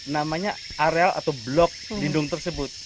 namanya areal atau blok lindung tersebut